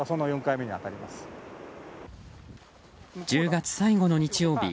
１０月最後の日曜日